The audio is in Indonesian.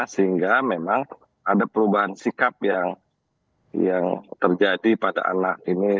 sehingga memang ada perubahan sikap yang terjadi pada anak ini